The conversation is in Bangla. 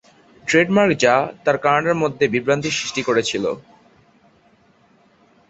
ট্রেডমার্ক যা তারা কানাডার মধ্যে বিভ্রান্তির সৃষ্টি করেছিল।